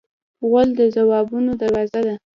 غول د ځوابونو دروازه ده.